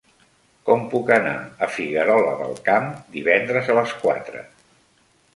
Com puc anar a Figuerola del Camp divendres a les quatre?